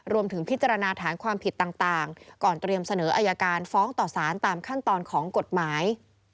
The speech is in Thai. รวมถึงพิจารณาฐานความผิดต่างก่อนเตรียมเสนออายการฟ้องต่อสารตามขั้นตอนของกฎหมาย